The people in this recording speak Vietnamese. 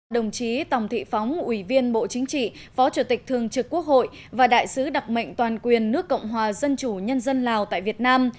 đồng chí tòng thị phóng ủy viên bộ chính trị phó chủ tịch thường trực quốc hội và đại sứ đặc mệnh toàn quyền nước cộng hòa dân chủ nhân dân lào tại việt nam